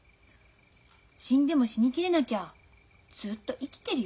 死んでも死に切れなきゃずっと生きてるよ